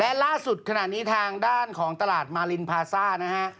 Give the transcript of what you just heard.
และล่าสุดขณะนี้ทางด้านของตลาดมารินพาซ่านะฮะ